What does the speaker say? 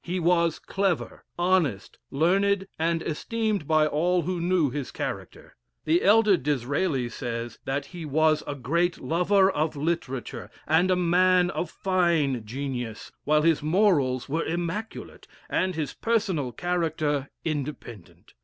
He was clever, honest, learned, and esteemed by all who knew his character. The elder D'Israeli says, "that he was a great lover of literature, and a man of fine genius, while his morals were immaculate, and his personal character independent."